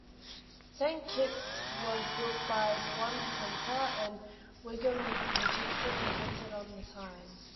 "Saint Kitts" was built by Swan Hunter and Wigham Richardson Limited on the Tyne.